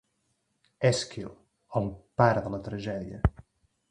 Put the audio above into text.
Èsquil, el pare de la tragèdia.